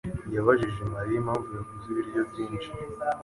yabajije Mariya impamvu yaguze ibiryo byinshi.